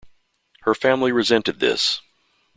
Her family resented this.